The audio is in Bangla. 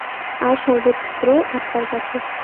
আর সর্বত্র আত্মার কাছে।